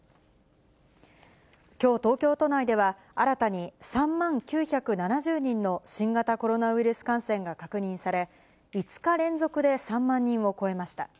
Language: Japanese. きょう、東京都内では新たに３万９７０人の新型コロナウイルス感染が確認され、５日連続で３万人を超えました。